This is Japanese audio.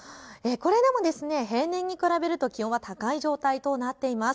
これでも平年に比べると気温は高い状態となっています。